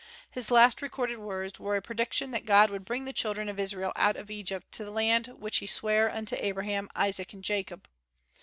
His last recorded words were a prediction that God would bring the children of Israel out of Egypt to the land which he sware unto Abraham, Isaac, and Jacob.